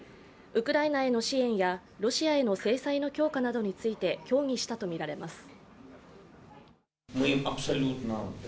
ウクライナへの支援やロシアへの制裁の強化などについて協議したとみられます。